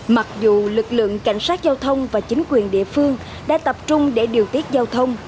mặc dù lực lượng cảnh sát giao thông và chính quyền địa phương đã tập trung để điều tiết giao thông